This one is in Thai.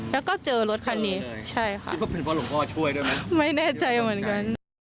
แล้วก็เจอรถคันนี้ใช่ค่ะไม่แน่ใจเหมือนกัน